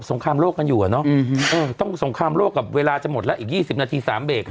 งครามโลกกันอยู่อะเนาะต้องสงครามโลกกับเวลาจะหมดแล้วอีก๒๐นาที๓เบรก